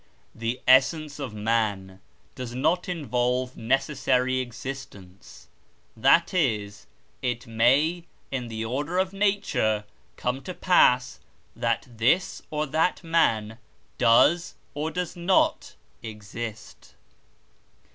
The essence of man does not involve necessary existence, that is, it may, in the order of nature, come to pass that this or that man does or does not exist.